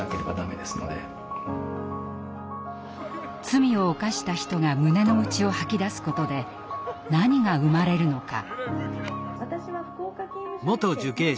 罪を犯した人が胸の内を吐き出すことで何が生まれるのか。